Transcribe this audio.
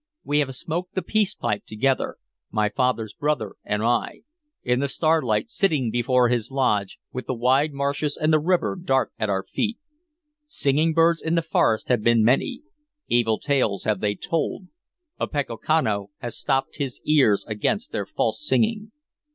We have smoked the peace pipe together my father's brother and I in the starlight, sitting before his lodge, with the wide marshes and the river dark at our feet. Singing birds in the forest have been many; evil tales have they told; Opechancanough has stopped his ears against their false singing.